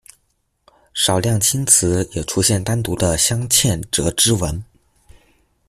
少量青瓷也出现单独的镶嵌折枝纹。